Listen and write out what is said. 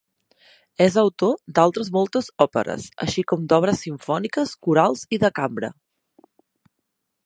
És autor d'altres moltes òperes, així com d'obres simfòniques, corals i de cambra.